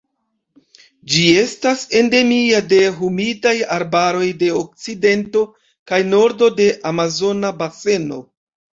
Ĝi estas endemia de humidaj arbaroj de okcidento kaj nordo de Amazona Baseno.